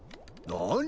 何？